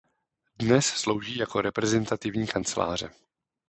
Dnes slouží jako reprezentativní kanceláře.